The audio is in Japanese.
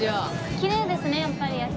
きれいですねやっぱり夜景。